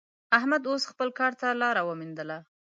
احمد اوس خپل کار ته لاره ومېندله.